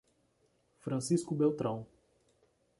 Francisco Beltrão